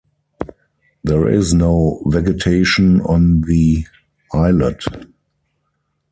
There is no vegetation on the islet.